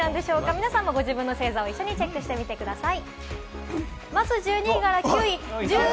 皆さんもご自身の星座を一緒にチェックしてみてください。